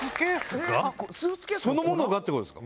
そのものがってことですか？